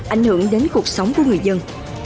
ảnh hưởng đến cuộc sống của người dân